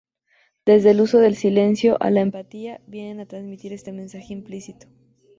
Desde el uso del silencio a la empatía, vienen a trasmitir este mensaje implícito.